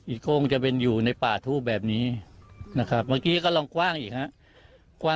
โค้งจะเป็นอยู่ในป่าทูบแบบนี้นะครับเมื่อกี้ก็ลองกว้างอีกฮะ